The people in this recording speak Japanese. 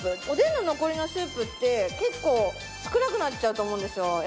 おでんの残りのスープって結構少なくなっちゃうと思うんですよ。